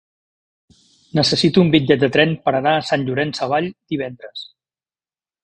Necessito un bitllet de tren per anar a Sant Llorenç Savall divendres.